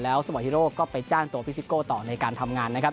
แล้วสปอยท์ฮีโร่ก็ไปจ้างตัวฟิสิโก้ต่อในการทำงานนะครับ